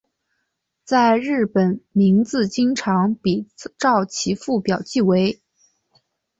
在日本名字经常比照其父表记为。